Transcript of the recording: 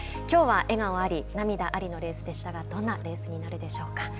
きょうは笑顔あり涙ありのレースでしたがどんなレースになるでしょうか。